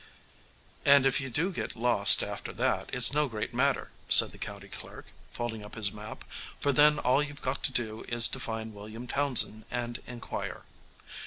] "And if you do get lost after that, it's no great matter," said the county clerk, folding up his map, "for then all you've got to do is to find William Townsend and inquire."